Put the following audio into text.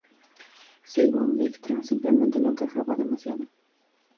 Según Dijkstra simplemente no encajaba demasiado.